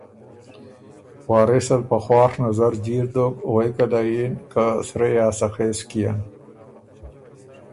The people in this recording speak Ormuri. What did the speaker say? وارث ال په خواڒ نظرجیر دوک غوېکه له یِن” که سرۀ يې هۀ سخے سو کيېن“